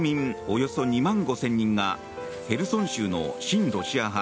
およそ２万５０００人がヘルソン州の親ロシア派